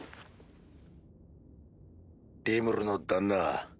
リムルの旦那。